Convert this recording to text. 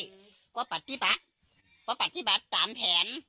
อันนี้ฝากลูกฝากเต้าไว้ก็ปฏิบัติปฏิบัติตามแผน